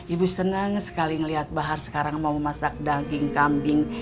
ibu senang sekali melihat bahar sekarang mau masak daging kambing